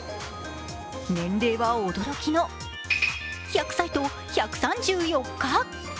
年齢は驚きの１００歳と１３４日。